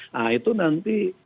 nah itu nanti